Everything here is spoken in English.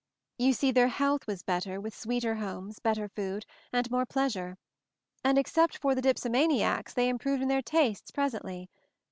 You see, their health was better, with sweeter homes, better food and more pleas ure; and except for the dipsomaniacs they improved in their tastes presently.